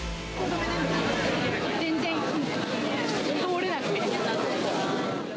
全然通れなくて。